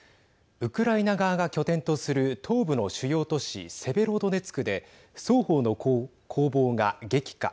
ウクライナ側が拠点とする東部の主要都市セベロドネツクで双方の攻防が激化。